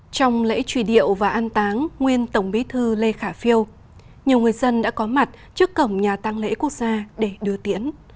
trong lễ truy điệu và an táng nguyên tổng bí thư lê khả phiêu nhiều người dân đã có mặt trước cổng nhà tăng lễ quốc gia để đưa tiễn